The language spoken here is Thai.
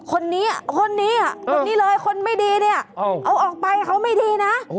คนนี้คนนี้เลยคนไม่ดีเนี่ยเอาออกไปเขาไม่ดีนะ